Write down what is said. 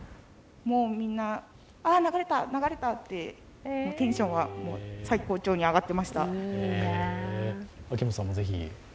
もうみんな、あ、流れた、流れたってテンションが最高潮に上がっていました。